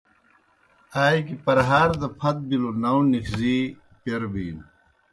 آئے گیْ پرہار دہ پَھت بِلوْ ناؤں نِکھزی پیر بِینوْ۔